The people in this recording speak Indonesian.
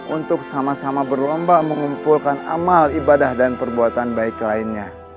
untuk sama sama berlomba mengumpulkan amal ibadah dan perbuatan baik lainnya